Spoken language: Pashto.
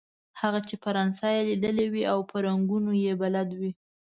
هغه چې فرانسه یې ليدلې وي او په رنګونو يې بلد وي.